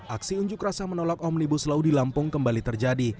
aksi unjuk rasa menolak omnibus law di lampung kembali terjadi